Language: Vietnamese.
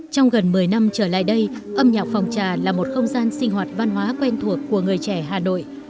trong gần một mươi năm trở lại đây âm nhạc phòng trà là một không gian sinh hoạt văn hóa quen thuộc của người trẻ hà nội